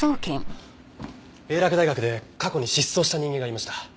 英洛大学で過去に失踪した人間がいました。